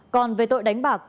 còn về tội đánh bạc